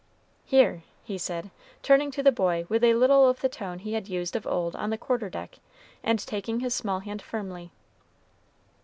"Here!" he said, turning to the boy with a little of the tone he had used of old on the quarter deck, and taking his small hand firmly.